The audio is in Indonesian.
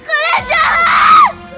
kau sudah jahat